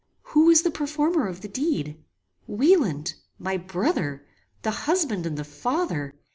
Who was the performer of the deed? Wieland! My brother! The husband and the father!